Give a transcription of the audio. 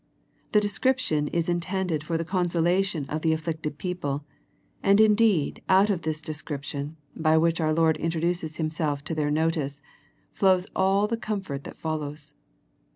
The description is in tended for the consolation of the afflicted peo ple, and indeed out of this description by which our Lord introduces Himself to their notice, flows all the comfort that follows.